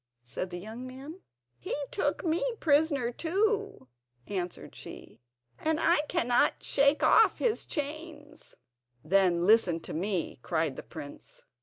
said the young man. "He took me prisoner, too," answered she, "and I cannot shake off his chains." "Then listen to me," cried the prince.